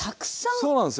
そうなんですよ。